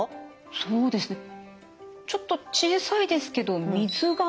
そうですねちょっと小さいですけど「水がたまる」ですかね。